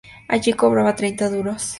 Allí cobraba treinta duros.